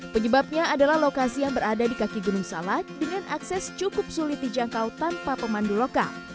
penyebabnya adalah lokasi yang berada di kaki gunung salak dengan akses cukup sulit dijangkau tanpa pemandu lokal